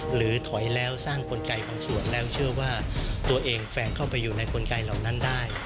หรือถอยแล้วสร้างกลไกของสวนแล้วเชื่อว่าตัวเองแฟนเข้าไปอยู่ในกลไกเหล่านั้นได้